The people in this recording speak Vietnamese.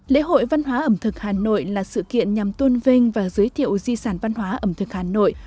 lễ hội văn hóa ẩm thực hà nội là sự kiện nhằm tôn vinh và giới thiệu di sản văn hóa ẩm thực hà nội